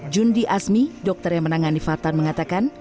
jundi asmi dokter yang menangani fatan mengatakan